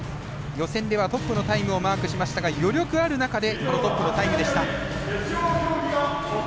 予選ではトップのタイムでしたが余力ある中でトップのタイムでした。